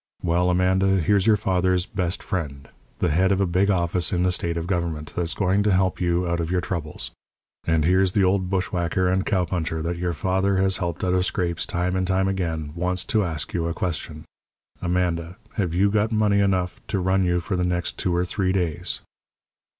Well, Amanda, here's your father's best friend, the head of a big office in the state government, that's going to help you out of your troubles. And here's the old bushwhacker and cowpuncher that your father has helped out of scrapes time and time again wants to ask you a question. Amanda, have you got money enough to run you for the next two or three days?"